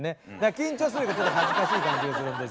緊張するいうかちょっと恥ずかしい感じがするんですよ。